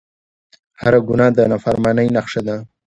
هر ګناه د نافرمانۍ نښه ده